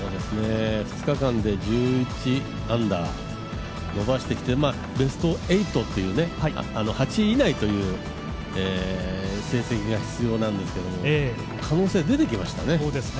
２日間で１１アンダー伸ばしてきてベスト８っていう、８位以内という成績が必要なんですけれども、可能性が出てきましたね。